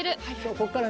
こっからね。